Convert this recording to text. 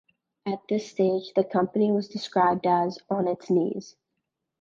At this stage, the company was described as: "on its knees".